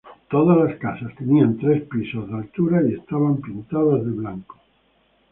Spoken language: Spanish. Todas las casas tenían tres pisos de altura y estaban pintadas de blanco.